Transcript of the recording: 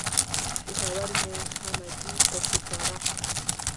پېښور مې همګي پسې پره کا.